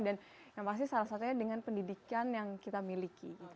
dan yang pasti salah satunya dengan pendidikan yang kita miliki